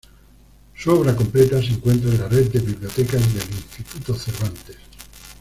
Su obra completa se encuentra en la Red de Bibliotecas del Instituto Cervantes.